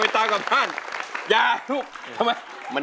ตรงอยู่จบงานเลย